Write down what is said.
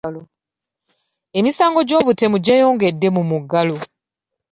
Emisango gy’obutemu gyeyongedde mu muggalo.